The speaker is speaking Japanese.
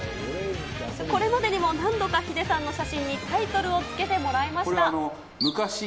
これまでにも何度かヒデさんの写真にタイトルを付けてもらいまし